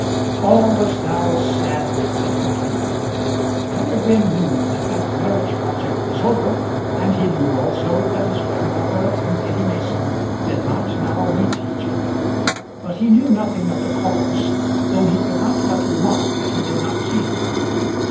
All was now sadness at The Cleeve. Peregrine knew that that marriage project was over, and he knew also that his grandfather and Lady Mason did not now meet each other; but he knew nothing of the cause, though he could not but remark that he did not see her.